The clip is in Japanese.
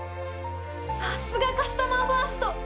さすがカスタマーファースト！